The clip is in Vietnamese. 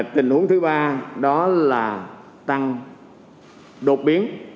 tình huống thứ ba đó là tăng đột biến